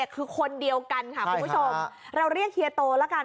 คือคนเดียวกันค่ะคุณผู้ชมเราเรียกเฮียโตแล้วกัน